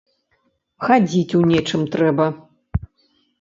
Хадзіць у нечым трэба.